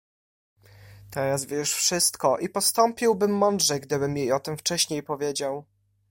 "Teraz wie już wszystko i postąpiłbym mądrzej, gdybym jej o tem wcześniej powiedział."